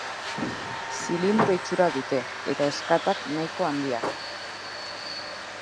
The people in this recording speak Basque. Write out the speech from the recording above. Zilindro itxura dute, eta ezkatak nahiko handiak.